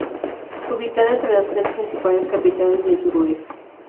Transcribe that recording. Ubicada entre las tres principales capitales del suroeste.